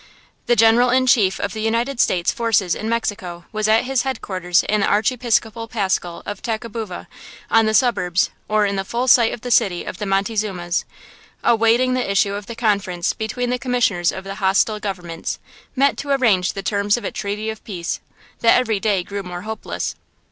The General in Chief of the United States forces in Mexico was at his headquarters in the Archiepiscopal palace of Tacubaya, on the suburbs, or in the full sight of the city of the Montezumas, awaiting the issue of the conference between the commissioners of the hostile governments, met to arrange the terms of a treaty of peace–that every day grew more hopeless.